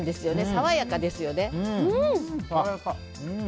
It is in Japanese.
爽やかですよね。